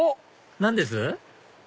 何です？